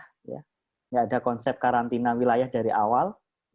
tidak ada konsep karantina wilayah dari awal